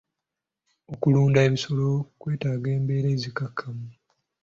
Okulunda ebisolo kwetaaga embeera enzikakkamu.